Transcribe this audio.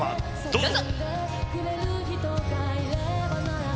どうぞ。